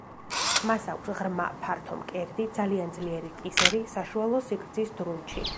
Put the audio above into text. მას აქვს ღრმა, ფართო მკერდი, ძალიან ძლიერი კისერი, საშუალო სიგრძის დრუნჩი.